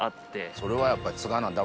それはやっぱり。